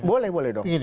boleh boleh dong